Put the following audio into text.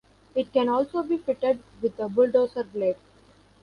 It can also be fitted with a bulldozer blade.